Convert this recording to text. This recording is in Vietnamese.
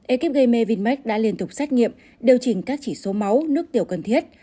ek gây mê vinmec đã liên tục xét nghiệm điều chỉnh các chỉ số máu nước tiểu cần thiết